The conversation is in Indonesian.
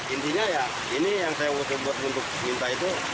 intinya ya ini yang saya buat untuk minta itu